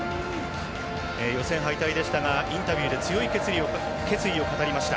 予選敗退でしたがインタビューで強い決意を語りました。